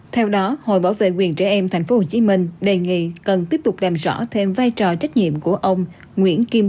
theo đó hội bảo vệ quyền trẻ em tp hcm đề nghị cần tiếp tục đàm rõ thêm vai trò trách nhiệm của ông